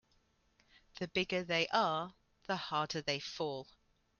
The bigger they are the harder they fall.